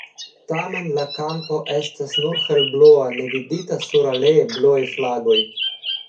Tamen, la kampo estas nur helblua ne vidita sur aliaj bluaj flagoj.